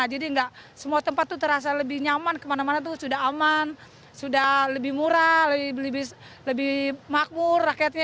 jadi enggak semua tempat itu terasa lebih nyaman kemana mana itu sudah aman sudah lebih murah lebih makmur rakyatnya